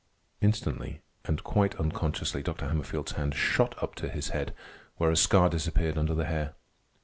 Instantly, and quite unconsciously, Dr. Hammerfield's hand shot up to his head, where a scar disappeared under the hair.